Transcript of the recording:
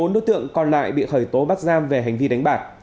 một mươi bốn đối tượng còn lại bị khởi tố bắt giam về hành vi đánh bạc